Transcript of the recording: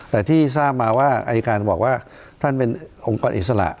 แต่ที่ทราบมาว่าอายการบอกว่าท่านเป็นองค์กรอิสระ